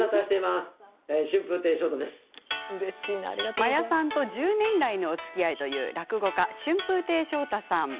真矢さんと１０年来のおつきあいという落語家・春風亭昇太さん。